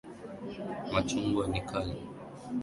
Machungwa ni kali.